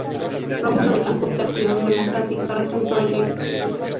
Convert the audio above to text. Rómulo Betancourt de Acción Democrática resultó electo.